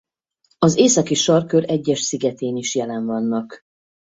Az északi sarkkör egyes szigetén is jelen vannak.